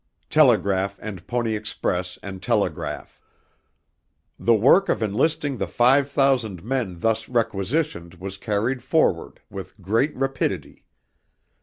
Telegraph and Pony Express and telegraph. The work of enlisting the five thousand men thus requisitioned was carried forward with great rapidity.